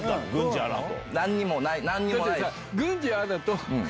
何にもないです。